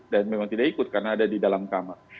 dan memang tidak ikut karena ada di dalam kamar